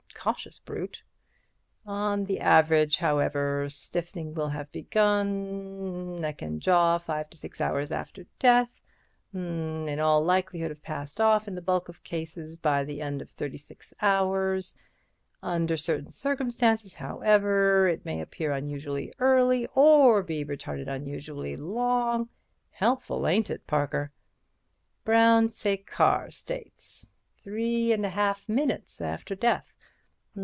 Cautious brute. 'On the average, however, stiffening will have begun—neck and jaw—5 to 6 hours after death'—m'm—'in all likelihood have passed off in the bulk of cases by the end of 36 hours. Under certain circumstances, however, it may appear unusually early, or be retarded unusually long!' Helpful, ain't it, Parker? 'Brown Séquard states ... 3 1/2 minutes after death....